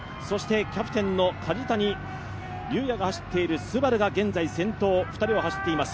キャプテンの梶谷瑠哉が走っているＳＵＢＡＲＵが現在先頭、２人が走っています。